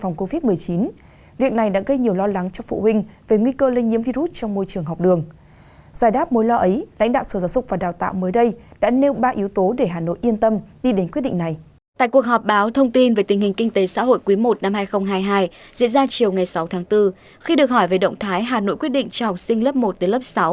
ngay chiều ngày sáu tháng bốn khi được hỏi về động thái hà nội quyết định cho học sinh lớp một đến lớp sáu